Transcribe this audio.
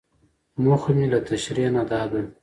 موخه مې له تشريحي نه دا ده.